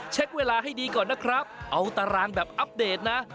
เวลาให้ดีก่อนนะครับเอาตารางแบบอัปเดตนะ